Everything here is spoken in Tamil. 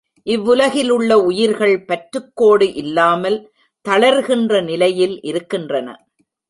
இவ்வுலகிலுள்ள உயிர்கள் பற்றுக்கோடு இல்லாமல் தளர்கின்ற நிலையில் இருக்கின்றன.